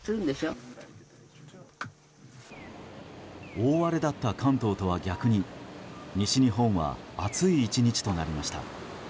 大荒れだった関東とは逆に西日本は暑い１日となりました。